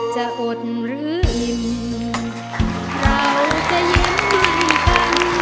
จะอดหรือลิ่มเราจะยืนยังฟัง